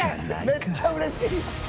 めっちゃ嬉しい！